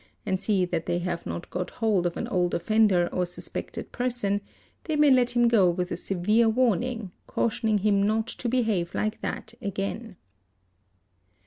and see that they have not got hold of an old offender or suspected person, they may let him go with a severe warning, cautioning him not to behave like that again.